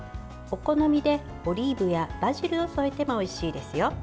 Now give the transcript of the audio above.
お好みでオリーブやバジルを添えてもおいしいですよ。